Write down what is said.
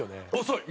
遅い。